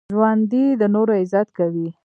ژوندي د نورو عزت کوي